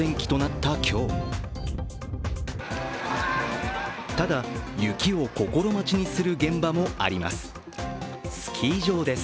ただ、雪を心待ちにする現場もあります。